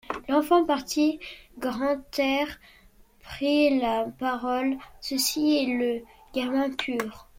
L’enfant parti, Grantaire prit la parole :— Ceci est le gamin pur.